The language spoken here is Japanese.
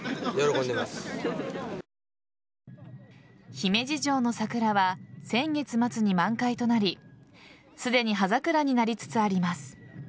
姫路城の桜は先月末に満開となりすでに葉桜になりつつあります。